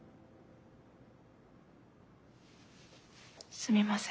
すみません。